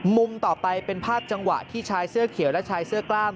ต่อไปเป็นภาพจังหวะที่ชายเสื้อเขียวและชายเสื้อกล้าม